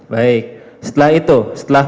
baik setelah itu setelah